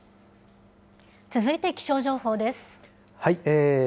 続いて気象情報です。